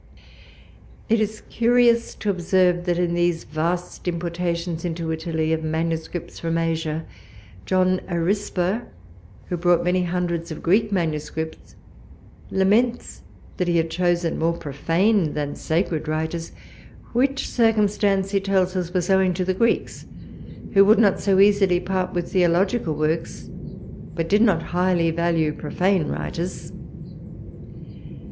It is curious to observe that in these vast importations into Italy of manuscripts from Asia, John Aurispa, who brought many hundreds of Greek manuscripts, laments that he had chosen more profane than sacred writers; which circumstance he tells us was owing to the Greeks, who would not so easily part with theological works, but did not highly value profane writers!